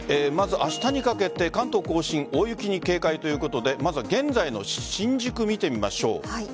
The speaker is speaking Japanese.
まず明日にかけて関東甲信大雪に警戒ということで現在の新宿見てみましょう。